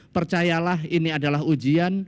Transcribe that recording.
percayalah ini adalah ujian